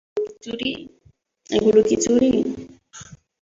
এগুলো কি চুড়ি?